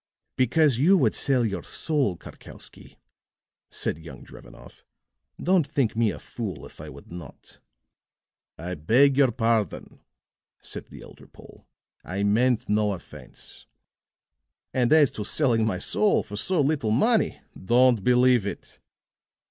"Because you would sell your soul, Karkowsky," said young Drevenoff, "don't think me a fool if I would not." "I beg your pardon," said the elder Pole, "I meant no offense. And as to selling my soul for so little money, don't believe it.